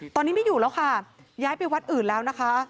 ตอนนี้ไม่อยู่แล้วค่ะย้ายไปวัดอื่นแล้วนะคะ